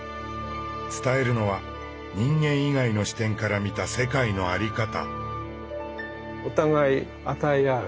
伝えるのは人間以外の視点から見た世界の在り方。